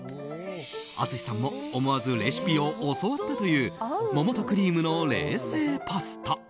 淳さんも思わずレシピを教わったという桃とクリームの冷製パスタ。